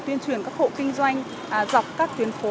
tuyên truyền các hộ kinh doanh dọc các tuyến phố